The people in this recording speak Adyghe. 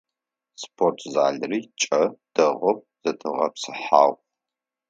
Спортзалыри кӏэ, дэгъоу зэтегъэпсыхьагъ.